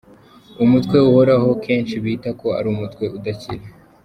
v Umutwe uhoraho kenshi bita ko ari umutwe udakira.